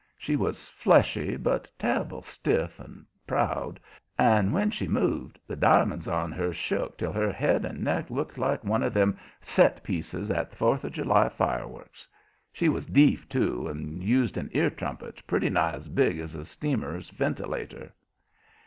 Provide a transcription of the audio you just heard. She was fleshy, but terrible stiff and proud, and when she moved the diamonds on her shook till her head and neck looked like one of them "set pieces" at the Fourth of July fireworks. She was deef, too, and used an ear trumpet pretty nigh as big as a steamer's ventilator.